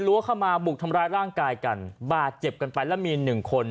เข้ามาบุกทำร้ายร่างกายกันบาดเจ็บกันไปแล้วมีหนึ่งคน